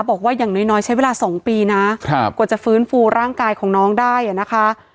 บอกว่าอย่างน้อยใช้เวลา๒ปีนะกว่าจะฟื้นฟูร่างกายของน้องได้อ่ะนะคะ